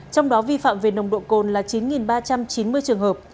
trong đó vi phạm về nồng độ cồn là chín ba trăm chín mươi trường hợp